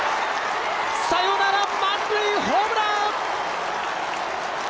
サヨナラ満塁ホームラン！